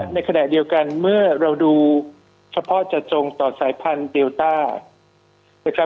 ซึ่งจะเป็นแหล่ะเดียวกันเมื่อเราดูเฉพาะจัดจงต่อสายพันธุ์เดลต้า